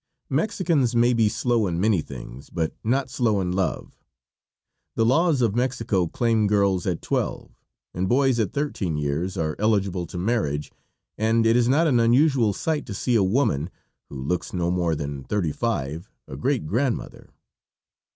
Mexicans may be slow in many things, but not slow in love. The laws of Mexico claim girls at twelve, and boys at thirteen years are eligible to marriage, and it is not an unusual sight to see a woman, who looks no more than thirty five, a great grandmother.